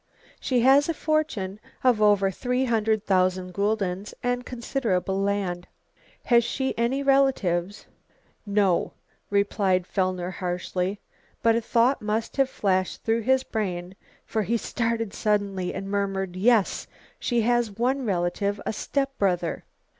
"She has a fortune of over three hundred thousand guldens, and considerable land." "Has she any relatives?" "No," replied Fellner harshly. But a thought must have flashed through his brain for he started suddenly and murmured, "Yes, she has one relative, a step brother."